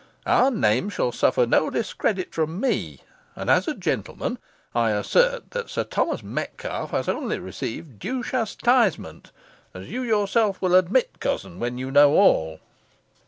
Our name shall suffer no discredit from me; and as a gentleman, I assert, that Sir Thomas Metcalfe has only received due chastisement, as you yourself will admit, cousin, when you know all."